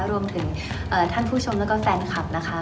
รวมถึงท่านผู้ชมแล้วก็แฟนคลับนะคะ